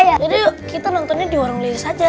yaudah yuk kita nontonnya di warung lilis aja